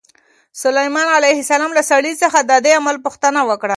سلیمان علیه السلام له سړي څخه د دې عمل پوښتنه وکړه.